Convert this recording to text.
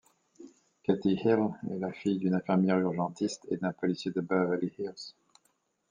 Katie Hill est la fille d'une infirmière-urgentiste et d'un policier de Beverly Hills.